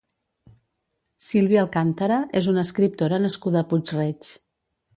Sílvia Alcàntara és una escriptora nascuda a Puig-reig.